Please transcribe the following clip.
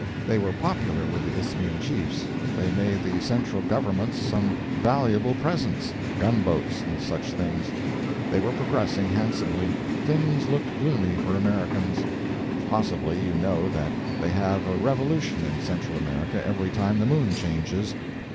They were popular with the Isthmian chiefs. They made the Central Governments some valuable presents—gunboats and such things. They were progressing handsomely. Things looked gloomy for Americans. Possibly you know that they have a "revolution" in Central America every time the moon changes.